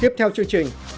tiếp theo chương trình